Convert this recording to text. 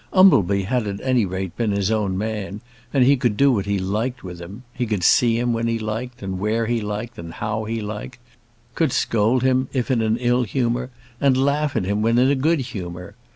Umbleby had at any rate been his own man, and he could do what he liked with him. He could see him when he liked, and where he liked, and how he liked; could scold him if in an ill humour, and laugh at him when in a good humour.